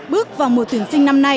bước vào mùa tuyển sinh năm nay